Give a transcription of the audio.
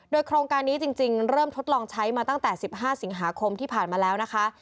โดยโครงการนี้จริงเริ่มทดลองใช้มาตั้งแต่๑๕สิงหาคมที่ผ่านมาแล้วนะคะ